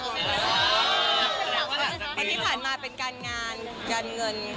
เน้นที่ผ่านมาเป็นการงานการเงินค่ะ